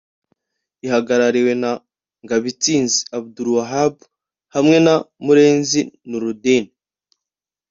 ihagarariwe na Ngabitsinze Abdul Wahab hamwe na Murenzi Nurudine